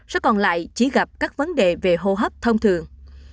số còn lại chỉ gặp các vấn đề về hô hấp thông thường